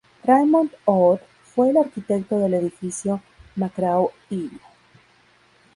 Raymond Hood fue el arquitecto del Edificio McGraw-Hill.